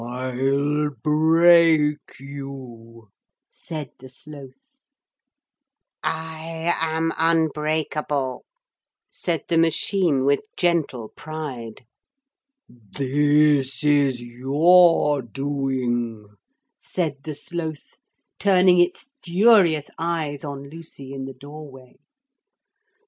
'I'll break you,' said the Sloth. 'I am unbreakable,' said the machine with gentle pride. 'This is your doing,' said the Sloth, turning its furious eyes on Lucy in the doorway.